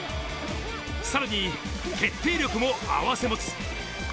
さらに決定力も併せ持つ。